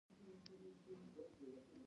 هغه د ښار له لوړو ودانیو حیران شو.